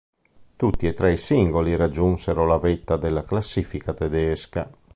Tutti e tre i singoli raggiunsero la vetta della classifica tedesca.